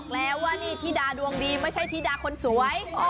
แปลว่านี่ธิดาดวงดีไม่ใช่ธิดาคนสวย